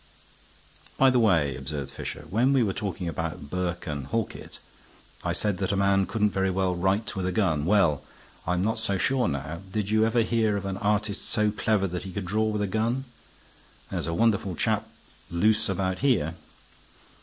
"By the way," observed Fisher, "when we were talking about Burke and Halkett, I said that a man couldn't very well write with a gun. Well, I'm not so sure now. Did you ever hear of an artist so clever that he could draw with a gun? There's a wonderful chap loose about here."